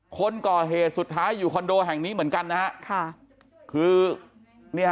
คนก่อเหตุสุดท้ายอยู่คอนโดแห่งนี้เหมือนกันนะฮะค่ะคือเนี่ยฮ